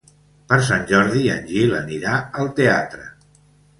Per Sant Jordi en Gil anirà al teatre.